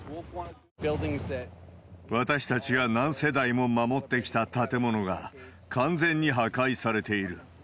私たちが何世代も守ってきた建物が、完全に破壊されている。